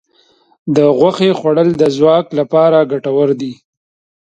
د غوښې خوړل د ځواک لپاره ګټور دي.